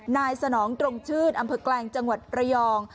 สนองตรงชื่นอำเภอแกลงจังหวัดระยอง